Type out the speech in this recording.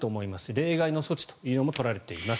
例外の措置も取られています。